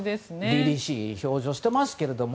凛々しい表情をしてますけども。